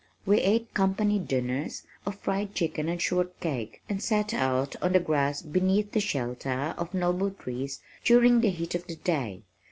We ate "company dinners" of fried chicken and shortcake, and sat out on the grass beneath the shelter of noble trees during the heat of the day.